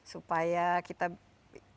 supaya kita bisa mendapatkan keuntungan